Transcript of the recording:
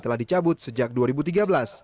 telah dicabut sejak dua ribu tiga belas